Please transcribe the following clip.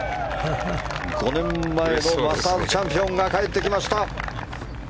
５年前のマスターズチャンピオンが帰ってきました。